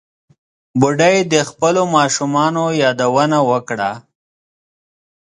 بوډۍ د خپلو ماشومانو یادونه وکړه.